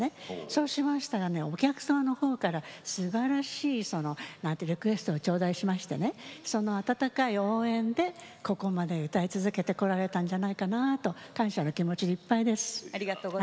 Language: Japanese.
そうしましたらお客さんの方からすばらしいリクエストをちょうだいしましてねその温かいご縁で、ここまで歌い続けてこられたんじゃないかなと感謝の気持ちでいっぱいです。